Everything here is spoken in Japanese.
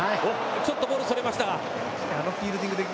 ちょっとボールそれましたが。